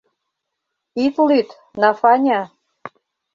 Ит лӱд, Нафаня!